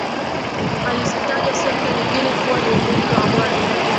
Alizitaja Sekta nyingine kuwa ni ukulima wa mwani